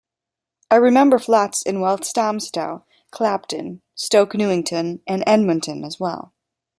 I remember flats in Walthamstow, Clapton, Stoke Newington, and Edmonton, as well.